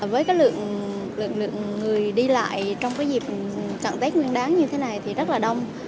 với lượng lượng người đi lại trong cái dịp cận tết nguyên đáng như thế này thì rất là đông